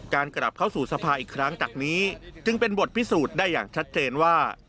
กลับเข้าสู่สภาอีกครั้งจากนี้จึงเป็นบทพิสูจน์ได้อย่างชัดเจนว่า